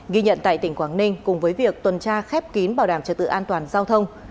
ghi nhận tại tỉnh quảng ninh cùng với việc tuần tra khép kín bảo đảm trật tự an toàn giao thông